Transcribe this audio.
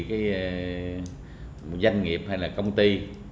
cái doanh nghiệp hay là công ty